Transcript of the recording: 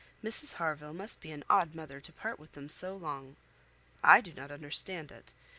Mrs Harville must be an odd mother to part with them so long. I do not understand it.